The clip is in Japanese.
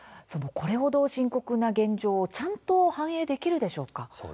これほど深刻な現状をちゃんと反映できるでしょうか。